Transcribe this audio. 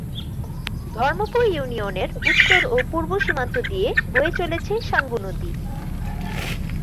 ধর্মপুর ইউনিয়নের উত্তর ও পূর্ব সীমান্ত দিয়ে বয়ে চলেছে সাঙ্গু নদী।